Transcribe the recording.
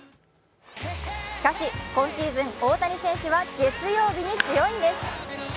しかし、今シーズン大谷選手は月曜日に強いんです。